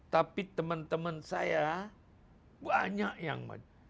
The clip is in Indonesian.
tapi teman teman saya banyak yang